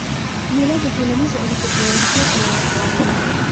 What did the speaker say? مېله د ټولنیزو اړیکو پیاوړتیا ته لاره هواروي.